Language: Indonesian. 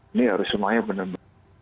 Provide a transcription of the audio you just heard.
ini harus semuanya benar benar